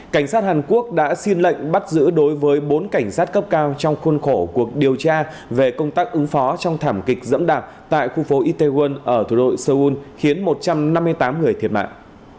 cảnh sát hàn quốc đã xin lệnh bắt giữ đối với bốn cảnh sát cấp cao trong khuôn khổ cuộc điều tra về công tác ứng phó trong thảm kịch dẫm đạp tại khu phố itaewon ở thủ đô seoul khiến một trăm năm mươi tám người thiệt mạng